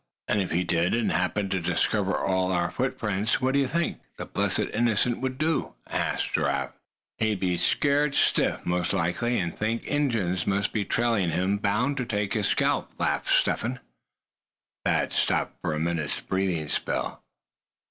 "And if he did, and happened to discover all our footprints, what d'ye think the blessed innocent would do?" asked Giraffe. "Be scared stiff, most likely, and think Injuns must be trailing him, bound to take his scalp," laughed Step Hen. Thad stopped for a minute's breathing spell.